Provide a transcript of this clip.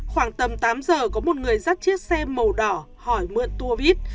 khoảng tầm tám giờ có một người dắt chiếc xe màu đỏ hỏi mượn tour vít